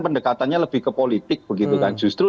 pendekatannya lebih ke politik justru